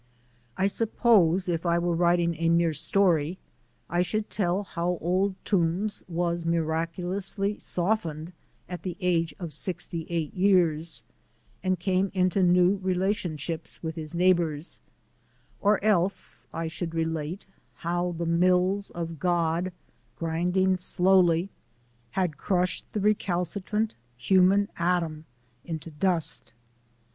I suppose if I were writing a mere story I should tell how Old Toombs was miraculously softened at the age of sixty eight years, and came into new relationships with his neighbours, or else I should relate how the mills of God, grinding slowly, had crushed the recalcitrant human atom into dust.